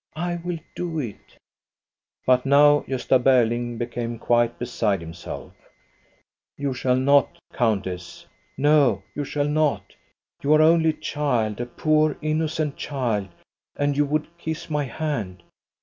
I will do it." But now Gosta Berling became quite beside himself, "You shall not, countess! No, you shall not! You are only a child, a poor, innocent child, and you would kiss my hand.